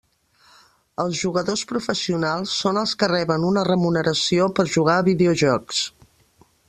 Els jugadors professionals són els que reben una remuneració per jugar a videojocs.